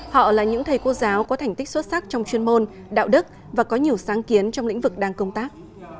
họ là những thầy cô giáo có thành tích xuất sắc trong chuyên môn đạo đức và có nhiều sáng kiến trong lĩnh vực đang công tác